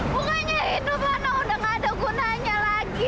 bukannya hidup anak udah gak ada gunanya lagi